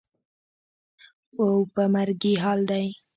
او په مرګي حال دى.